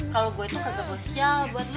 kalau gue itu kagak boleh sial buat lo